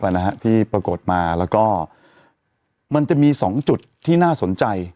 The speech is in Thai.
นะฮะที่ปรากฏมาแล้วก็มันจะมีสองจุดที่น่าสนใจ